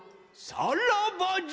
さらばじゃ！